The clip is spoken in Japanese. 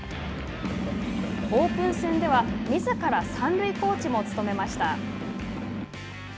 オープン戦では、みずから三塁コーチも務めました。